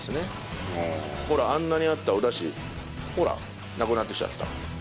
ほらあんなにあったお出汁ほらなくなってきちゃった。